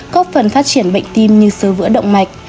có phần phát triển bệnh tim như sơ vữa động mạch